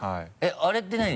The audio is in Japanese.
あれって何？